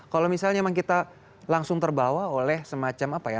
kalau misalnya memang kita langsung terbawa oleh semacam apa ya